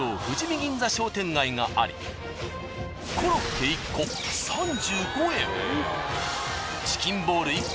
銀座商店街がありコロッケ１個３５円。